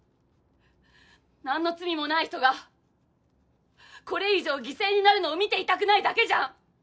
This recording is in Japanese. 何の罪もない人がこれ以上犠牲になるのを見ていたくないだけじゃん。